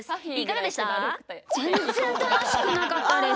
ねむねむぜんぜんたのしくなかったです。